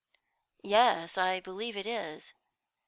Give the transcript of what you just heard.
"Yes, I believe it is."